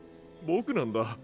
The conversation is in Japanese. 僕なんだ。